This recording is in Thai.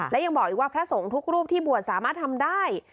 และยังบอกอีกว่าพระสงฆ์ทุกรูปที่บวชสามารถทำได้